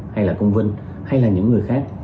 hay là công vinh hay là những người khác